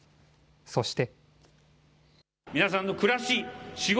そして。